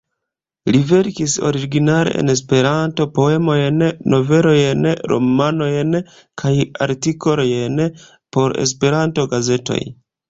Li verkis originale en Esperanto poemojn, novelojn, romanojn kaj artikolojn por Esperanto-gazetoj.